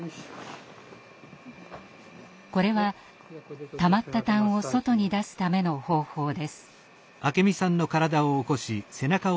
これはたまった痰を外に出すための方法です。